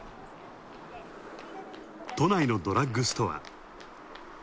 都内のドラッグストア。